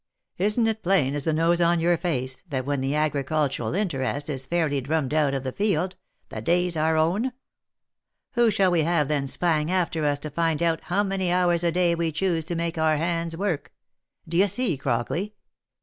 Isn't it plain as the nose on your face that when the agricultural interest is fairly drummed out of the field, the day's our own ? Who shall we have then spying after us to find Out how many hours a day we choose to make our hands work ? D'ye see, Crockley